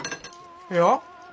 いや。